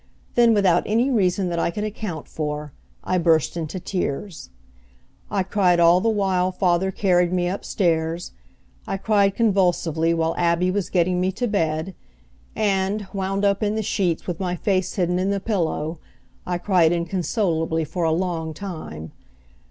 Then, without any reason that I could account for, I burst into tears. I cried all the while father carried me upstairs. I cried convulsively while Abby was getting me to bed, and, wound up in the sheets with my face hidden in the pillow, I cried inconsolably for a long time.